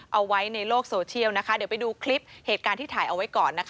เอาไว้ในโลกโซเชียลนะคะเดี๋ยวไปดูคลิปเหตุการณ์ที่ถ่ายเอาไว้ก่อนนะคะ